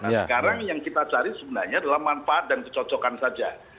nah sekarang yang kita cari sebenarnya adalah manfaat dan kecocokan saja